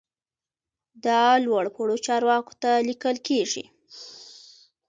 دا لوړ پوړو چارواکو ته لیکل کیږي.